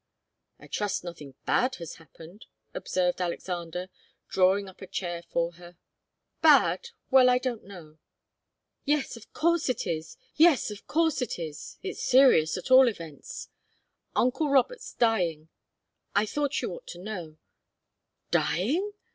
"I trust nothing bad has happened," observed Alexander, drawing up a chair for her. "Bad? Well I don't know. Yes of course it is! It's serious, at all events. Uncle Robert's dying. I thought you ought to know " "Dying?